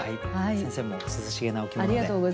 先生も涼しげなお着物で。